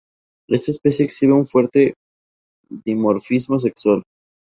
Esta especie exhibe un fuerte dimorfismo sexual.